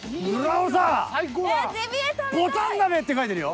「牡丹鍋」って書いてるよ。